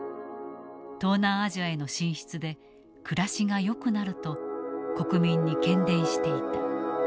東南アジアへの進出で暮らしがよくなると国民に喧伝していた。